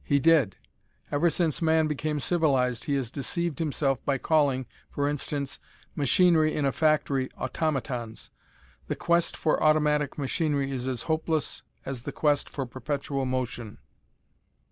He did! Ever since man became civilized he has deceived himself by calling, for instance, machinery in a factory, automatons. The quest for automatic machinery is as hopeless as the quest for perpetual motion!